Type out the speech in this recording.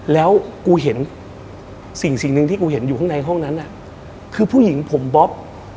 แล้วกูเห็นสิ่งหนึ่งที่กูเห็นอยู่ข้างในห้องนั้นคือผู้หญิงผมบ๊อบ